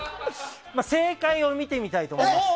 正解を見てみたいと思います。